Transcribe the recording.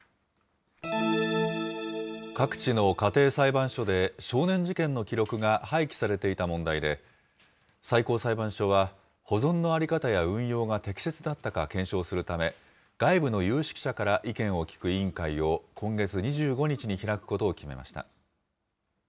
各地の家庭裁判所で、少年事件の記録が廃棄されていた問題で、最高裁判所は、保存の在り方や運用が適切だったか検証するため、外部の有識者から意見を聞く委員会を、今月２５日に開くことを決めました。